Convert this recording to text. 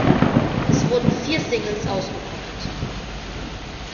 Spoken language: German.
Es wurden vier Singles ausgekoppelt.